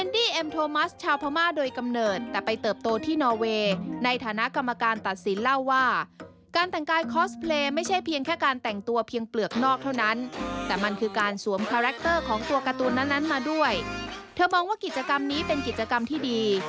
เธอมองว่ากิจกรรมนี้เป็นกิจกรรมที่ดี